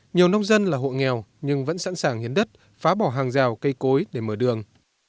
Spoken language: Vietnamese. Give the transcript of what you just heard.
nhiều nông dân là hộ nghèo nhưng vẫn sẵn sàng hiến đất phá bỏ hàng rào cây cối để mở đường